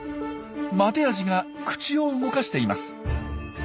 マテアジが口を動かしています。